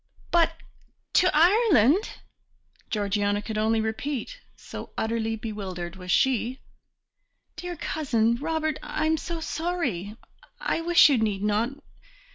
"But to Ireland!" Georgiana could only repeat, so utterly bewildered was she. "Dear Cousin Robert, I am so sorry; I wish you need not